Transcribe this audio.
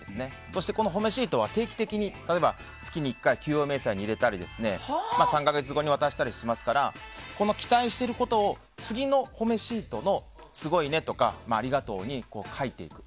そしてほめシートは定期的に例えば、月に１回給料明細に入れたり３か月後に渡したりしますから期待していることを次のほめシートのすごいねとかありがとうに書いていく。